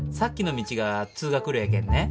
道が通学路やけんね。